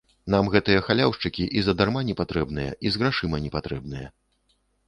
Нам гэтыя халяўшчыкі і задарма непатрэбныя і з грашыма не патрэбныя.